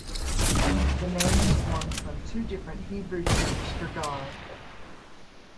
The name is formed from two different Hebrew terms for God.